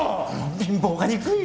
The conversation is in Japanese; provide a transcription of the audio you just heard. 貧乏が憎い。